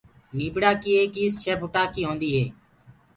نيٚڀڙآ ڪيٚ ايڪ ايس سآت ڦُٽآنٚ ڪيٚ هونٚديٚ هي